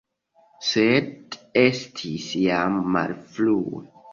Sed estis jam malfrue.